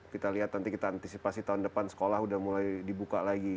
kita lihat nanti kita antisipasi tahun depan sekolah sudah mulai dibuka lagi